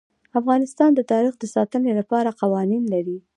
افغانستان د تاریخ د ساتنې لپاره قوانین لري.